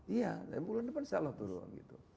iya bulan depan insya allah turun